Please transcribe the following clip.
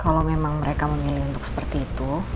kalau memang mereka memilih untuk seperti itu